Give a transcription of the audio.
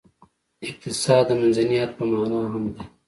اقتصاد د منځني حد په معنا هم دی.